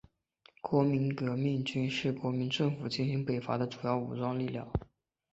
国民革命军是国民政府进行北伐的主要武装力量。